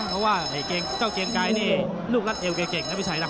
เพราะเจ้าเกลียงไกลนี่ลูกรัฐเอก่งไม่ใช่นะ